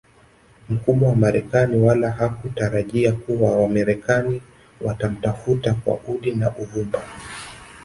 mkubwa wa marekani wala hakutarajia kuwa wamarekani watamtafuta kwa udi na uvumba